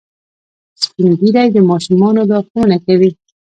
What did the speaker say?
سپین ږیری د ماشومانو لارښوونه کوي